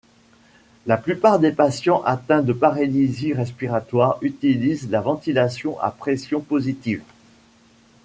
La plupart des patients atteints de paralysie respiratoire utilisent la ventilation à pression positive.